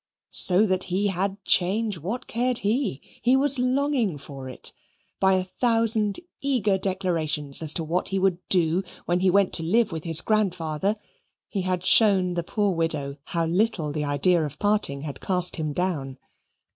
So that he had change, what cared he? He was longing for it. By a thousand eager declarations as to what he would do, when he went to live with his grandfather, he had shown the poor widow how little the idea of parting had cast him down.